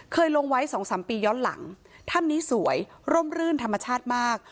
ลงไว้๒๓ปีย้อนหลังถ้ำนี้สวยร่มรื่นธรรมชาติมาก